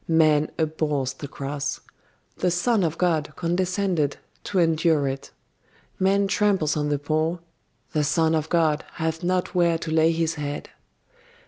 Man abhors the cross: The Son of God condescended to endure it! Man tramples on the poor: The Son of God hath not where to lay His head.